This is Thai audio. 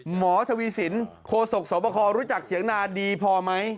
หมอทวีสินโคศกสวบครู้จักเถียงนาดีพอไหม